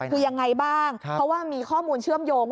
คือยังไงบ้างเพราะว่ามีข้อมูลเชื่อมโยง